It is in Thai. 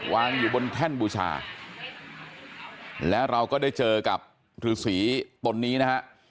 วางอยู่บนแท่นบูชาและเราก็ได้เจอกับฤษีตนนี้นะฮะ